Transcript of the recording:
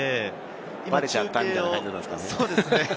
ばれちゃったみたいな感じですかね。